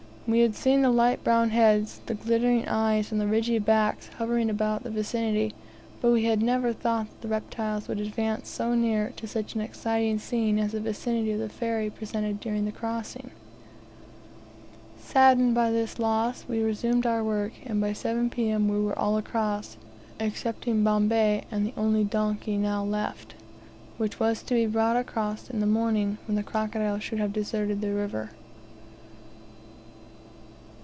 We had seen the light brown heads, the glittering eyes, and the ridgy backs, hovering about the vicinity, but we had never thought that the reptiles would advance so near such an exciting scene as the vicinity of the ferry presented during the crossing. Saddened a little by this loss, we resumed our work, and by 7 P.M. we were all across, excepting Bombay and the only donkey now left, which was to be brought across in the morning, when the crocodiles should have deserted the river.